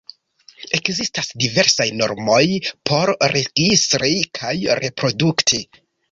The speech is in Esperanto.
Ekzistas diversaj normoj por registri kaj reprodukti.